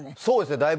そうですね。